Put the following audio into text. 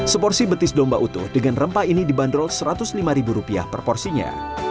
seporsi betis domba utuh dengan rempah ini dibanderol rp satu ratus lima per porsinya